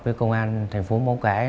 với công an thành phố bóng cái